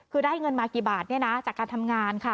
คือได้เงินมากี่บาทจากการทำงานค่ะ